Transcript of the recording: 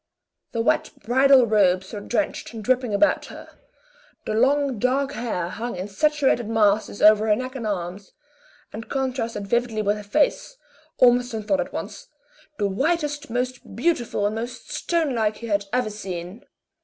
The wet bridal robes were drenched and dripping about her, the long dark hair hung in saturated masses over her neck and arms, and contrasted vividly with a face, Ormiston thought at once, the whitest, most beautiful, and most stonelike he had ever seen.